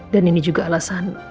dan ini juga alasan